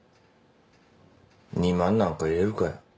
２万なんか入れるかよ。